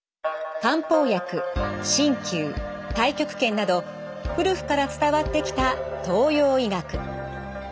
漢方薬鍼灸太極拳など古くから伝わってきた東洋医学。